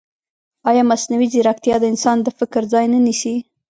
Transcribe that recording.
ایا مصنوعي ځیرکتیا د انسان د فکر ځای نه نیسي؟